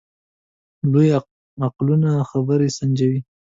لوی عقلونه خبرې سنجوي.